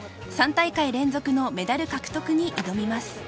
３大会連続のメダル獲得に挑みます。